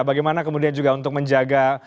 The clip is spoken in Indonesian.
bagaimana kemudian juga untuk menjaga